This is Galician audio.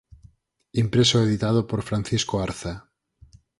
Impreso e editado por Francisco Arza.